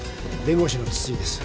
弁護士の剣持です。